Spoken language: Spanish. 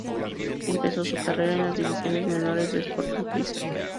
Empezó su carrera en las divisiones menores de Sporting Cristal.